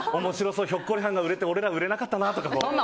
ひょっこりはんが売れて俺ら売れなかったなとか。